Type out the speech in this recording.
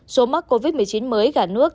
số mắc covid một mươi chín mới cả nước